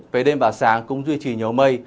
về đêm và sáng cũng duy trì nhiều mây